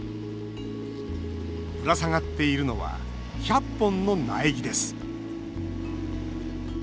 ぶら下がっているのは１００本の苗木です。